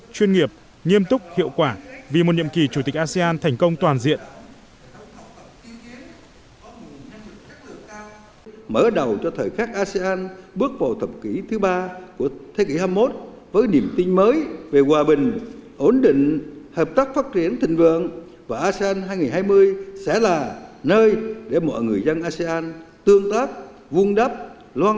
chuyên nghiệp nghiêm túc hiệu quả vì một nhiệm kỳ chủ tịch asean thành công toàn diện